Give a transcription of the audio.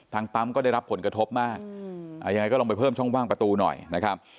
ปั๊มก็ได้รับผลกระทบมากยังไงก็ลองไปเพิ่มช่องว่างประตูหน่อยนะครับ